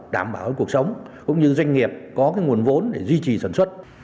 đảm bảo cuộc sống cũng như doanh nghiệp có cái nguồn vốn để duy trì sản xuất